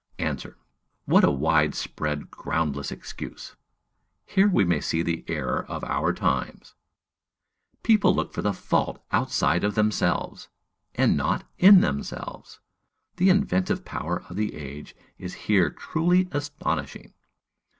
Answer. What a wide spread, groundless excuse! Here we may see the error of our times. People look for the fault outside of themselves, and not in themselves. The inventive power of the age is here truly astonishing!